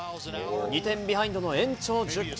２点ビハインドの延長１０回。